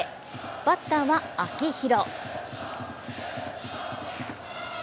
バッターは秋広。